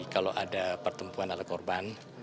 kalau ada pertumpuan oleh korban